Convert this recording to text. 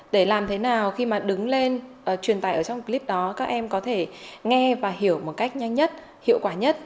để làm thế nào khi mà đứng lên truyền tải ở trong clip đó các em có thể nghe và hiểu một cách nhanh nhất hiệu quả nhất